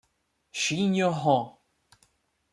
Shin Yeon-ho